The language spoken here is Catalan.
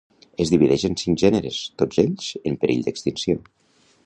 Es divideix en cinc gèneres, tots ells en perill d'extinció